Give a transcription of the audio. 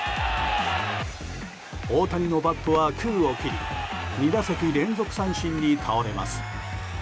大谷のバットは空を切り２打席連続三振に倒れます。